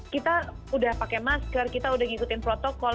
kita udah pakai masker kita udah ngikutin protokol